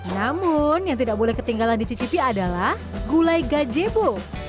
dan yang tidak boleh ketinggalan dicicipi adalah gulai gajebo